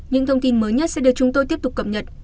những thông tin mới nhất sẽ được chúng tôi tiếp tục cập nhật